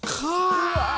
うわ！